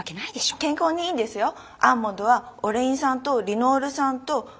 健康にいいんですよ。